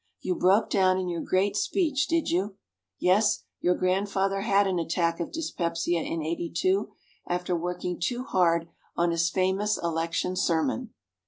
You broke down in your great speech, did you? Yes, your grandfather had an attack of dyspepsia in '82, after working too hard on his famous Election Sermon.